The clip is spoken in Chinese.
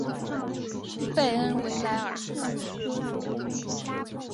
贝恩维莱尔。